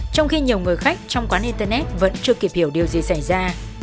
trong khi nhiều người khách trong quán internet vẫn chưa kịp hiểu điều gì xảy ra